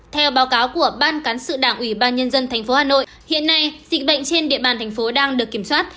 theo báo cáo của ban cán sự đảng ủy ban nhân dân tp hà nội hiện nay dịch bệnh trên địa bàn thành phố đang được kiểm soát